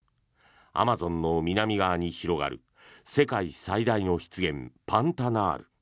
アマゾンの南側に広がる世界最大の湿原、パンタナール。